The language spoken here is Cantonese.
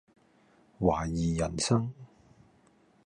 懷疑人生